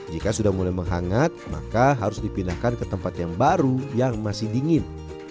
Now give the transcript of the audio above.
jika sudah mulai menghangat maka harus dipindahkan ke tempat yang baru yang masih dingin